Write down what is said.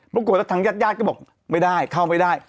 ปรากฏแล้วทั้งยาดก็บอกไม่ได้เข้าไปได้